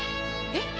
えっ？